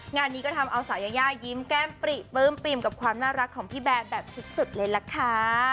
งานนี้ก็ทำเอาสาวยายายิ้มแก้มปริปลื้มปิ่มกับความน่ารักของพี่แบร์แบบสุดเลยล่ะค่ะ